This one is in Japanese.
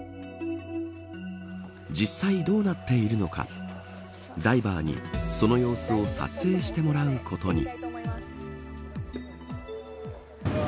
実際、どうなっているのかダイバーにその様子を撮影してもらうことに。